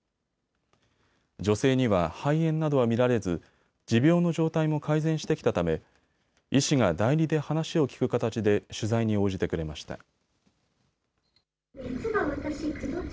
女性には肺炎などは見られず持病の状態も改善してきたため医師が代理で話を聞く形で取材に応じてくれました。